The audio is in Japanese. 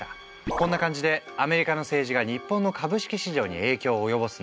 こんな感じでアメリカの政治が日本の株式市場に影響を及ぼすんだ。